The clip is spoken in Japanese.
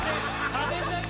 家電だよ